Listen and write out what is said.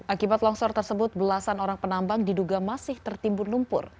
akibat longsor tersebut belasan orang penambang diduga masih tertimbun lumpur